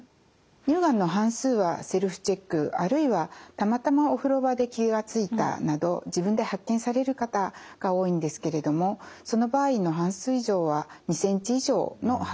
乳がんの半数はセルフチェックあるいはたまたまお風呂場で気が付いたなど自分で発見される方が多いんですけれどもその場合の半数以上は２ｃｍ以上の発見となっているんですね。